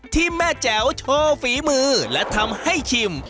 ที่แม่แจ๋วโชว์ฝีมือและทำให้ชิม